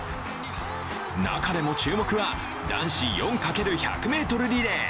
中でも注目は男子４×１００ｍリレー。